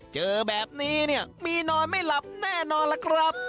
เจอแบบนี้เนี่ยมีนอนไม่หลับแน่นอนล่ะครับ